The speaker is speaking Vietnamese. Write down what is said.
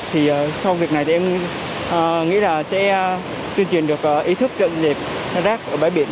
thì sau việc này thì em nghĩ là sẽ tuyên truyền được ý thức tận diệt rác ở bãi biển